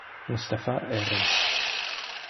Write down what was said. Mustapha Heron